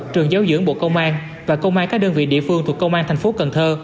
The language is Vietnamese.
trường giáo dưỡng bộ công an và công an các đơn vị địa phương thuộc công an thành phố cần thơ